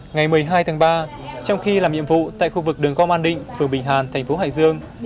ngày một mươi hai tháng ba trong khi làm nhiệm vụ tại khu vực đường gom an định phường bình hàn thành phố hải dương